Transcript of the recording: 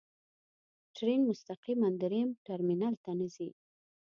ټرین مستقیماً درېیم ټرمینل ته نه ځي.